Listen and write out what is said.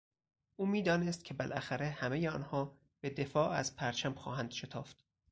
او میدانست که بالاخره همهی آنها به دفاع از پرچم خواهند شتافت.